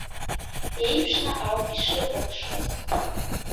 Еиԥшны ауп ишрыхәаԥшуаз.